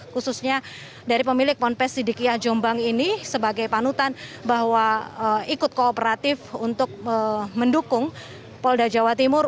khususnya dari pemilik ponpes sidikiah jombang ini sebagai panutan bahwa ikut kooperatif untuk mendukung polda jawa timur